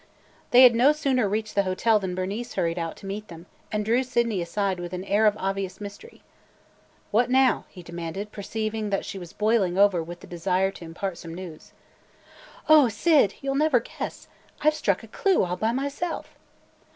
They had no sooner reached the hotel than Bernice hurried out to meet them and drew Sydney aside with an air of obvious mystery. "What now?" he demanded, perceiving that she was boiling over with a desire to impart some news. "Oh, Syd, you 'll never guess! I 've struck a clue, all by myself!"